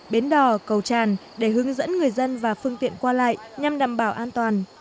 bến đò cầu tràn để hướng dẫn người dân và phương tiện qua lại nhằm đảm bảo an toàn